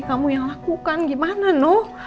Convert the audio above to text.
kamu yang lakukan gimana nok